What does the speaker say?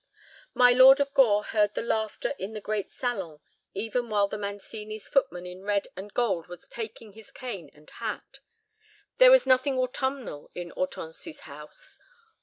My Lord of Gore heard the laughter in the great salon, even while the Mancini's footman in red and gold was taking his cane and hat. There was nothing autumnal in Hortense's house.